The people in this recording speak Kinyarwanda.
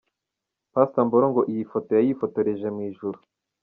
Pastor Mboro ngo iyi foto yayifotoreje mu ijuru.